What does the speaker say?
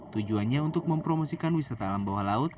tujuannya untuk mempromosikan wisata alam bawah laut